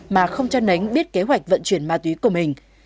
mà không cho nấnh biết kế hoạch vận chuyển ma túy của mình